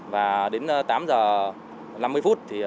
và đến tám h năm mươi phút